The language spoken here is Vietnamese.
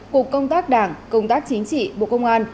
cục công tác đảng công tác chính trị bộ công an